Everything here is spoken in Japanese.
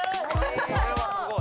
これはすごい。